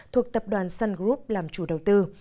thuộc tập đoàn sun group làm chủ đầu tư